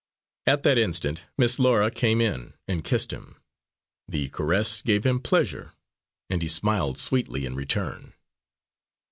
At that instant Miss Laura came in and kissed him. The caress gave him pleasure, and he smiled sweetly in return.